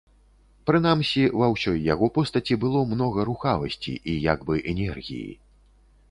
Прынамсі, ва ўсёй яго постаці было многа рухавасці і як бы энергіі.